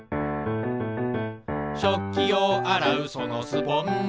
「しょっきをあらうそのスポンジ」